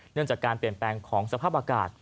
เนื่องจากการเปลี่ยนแปลงของสภาพอากาศ